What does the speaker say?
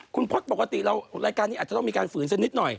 คุณพล็อตปกติแล้วรายการนี้อาจจะต้องมีการฝืนเสียนิดหน่อย